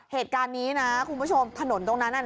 เหตุการณ์นี้นะคุณผู้ชมถนนตรงนั้น